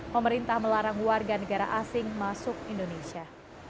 pemerintah melarang warga negara asing masuk indonesia